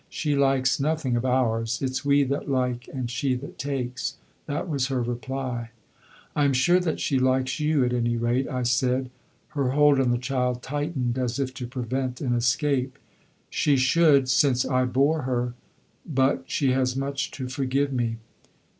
"She likes nothing of ours. It's we that like and she that takes." That was her reply. "I am sure that she likes you at any rate," I said. Her hold on the child tightened, as if to prevent an escape. "She should, since I bore her. But she has much to forgive me."